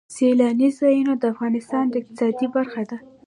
سیلانی ځایونه د افغانستان د اقتصاد برخه ده.